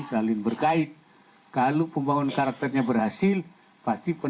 saling berkait kalau pembangunan karakternya berhasil pasti